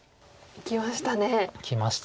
いきました。